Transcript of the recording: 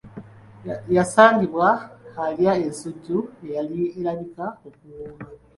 Yasangibwa alya ensujju eyali erabika okuwooma.